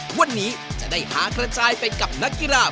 วันนี้จะได้พากระจายไปกับนักกีฬา